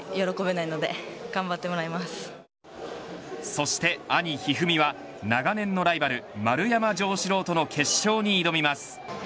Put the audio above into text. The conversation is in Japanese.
そして兄、一二三は長年のライバル丸山城志郎との決勝に挑みます。